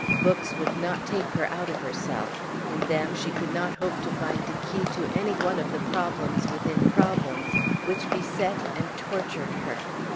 Books would not take her out of herself; in them she could not hope to find a key to any one of the problems within problems which beset and tortured her.